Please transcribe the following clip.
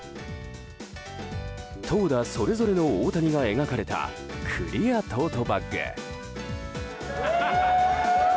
投打それぞれの大谷が描かれたクリアトートバッグ。